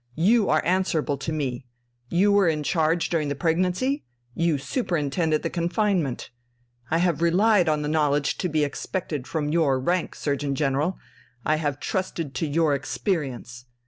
You are answerable to me.... You were in charge during the pregnancy, you superintended the confinement. I have relied on the knowledge to be expected from your rank, Surgeon General, I have trusted to your experience.